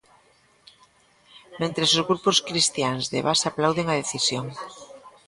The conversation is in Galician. Mentres, os grupos cristiáns de base aplauden a decisión.